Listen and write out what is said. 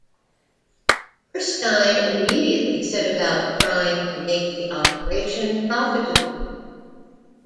Erskine immediately set about trying to make the operation profitable.